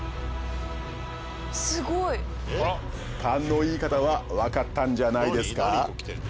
勘のいい方は分かったんじゃないですか？